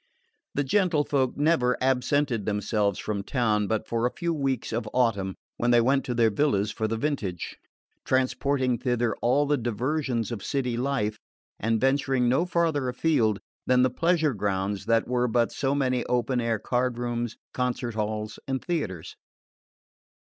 The gentlefolk never absented themselves from town but for a few weeks of autumn, when they went to their villas for the vintage, transporting thither all the diversions of city life and venturing no farther afield than the pleasure grounds that were but so many open air card rooms, concert halls and theatres.